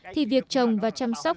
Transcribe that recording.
thì việc trồng và chăm sóc